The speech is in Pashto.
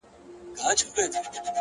هوډ د ستونزو تر شا هدف ویني.!